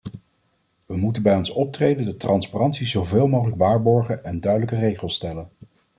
We moeten bij ons optreden de transparantie zoveel mogelijk waarborgen en duidelijke regels stellen.